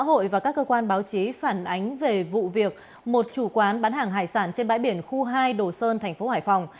các trang mạng xã hội và các cơ quan báo chí phản ánh về vụ việc một chủ quán bán hàng hải sản trên bãi biển khu hai đồ sơn tp hải phòng